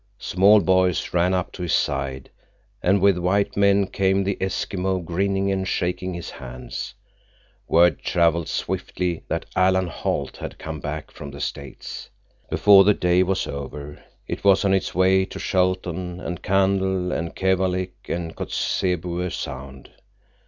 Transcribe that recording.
Small boys ran up to his side, and with white men came the Eskimo, grinning and shaking his hands. Word traveled swiftly that Alan Holt had come back from the States. Before the day was over, it was on its way to Shelton and Candle and Keewalik and Kotzebue Sound.